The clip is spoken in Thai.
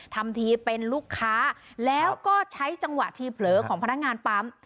ทำทีเป็นลูกค้าแล้วก็ใช้จังหวะทีเผลอของพนักงานปั๊ม